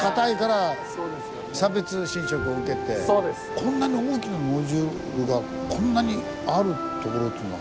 こんなに大きなノジュールがこんなにあるところってのは。